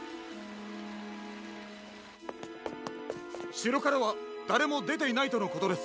しろからはだれもでていないとのことです。